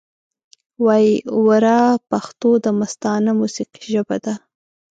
وایې وره پښتو دمستانه موسیقۍ ژبه ده